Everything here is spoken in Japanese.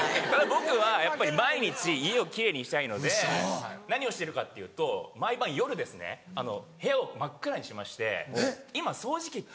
僕はやっぱり毎日家を奇麗にしたいので何をしてるかっていうと毎晩夜ですね部屋を真っ暗にしまして今掃除機って。